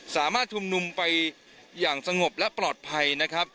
สามารถชุมนุมไปอย่างสงบและปลอดภัยนะครับ